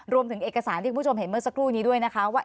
รวมถึงเอกสารที่คุณผู้ชมเห็นเมื่อสักครู่นี้ด้วยนะคะว่า